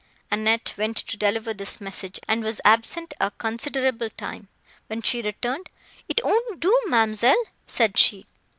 Annette went to deliver this message, and was absent a considerable time. When she returned, "It won't do, ma'amselle," said she.